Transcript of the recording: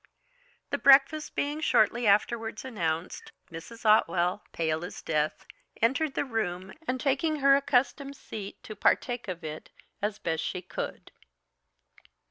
The breakfast being shortly afterwards announced, Mrs. Otwell, pale as death, entered the room, and taking her accustomed seat to partake of it, as best she could.